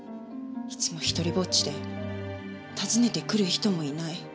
いつも一人ぼっちで訪ねてくる人もいない。